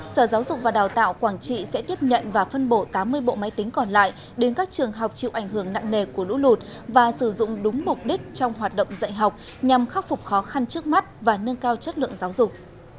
sở giáo dục và đào tạo quảng trị sẽ tiếp nhận và phân bổ tám mươi bộ máy tính còn lại đến các trường học chịu ảnh hưởng nặng nề của lũ lụt và sử dụng đúng mục đích trong hoạt động dạy học nhằm khắc phục khó khăn trước mắt và nâng cao chất lượng giáo dục